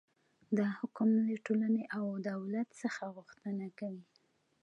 دا حکم له ټولنې او دولت څخه غوښتنه کوي.